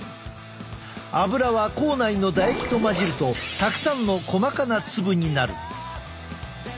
アブラは口内の唾液と混じるとたくさんの細かな粒になる。